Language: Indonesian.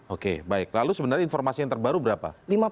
oke baik lalu sebenarnya informasi yang terbaru berapa